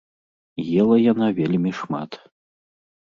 Ела яна вельмі шмат.